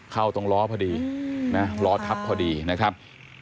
เข้าตรงล้อพอดีนะล้อทับพอดีนะครับ